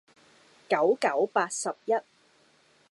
九九八十一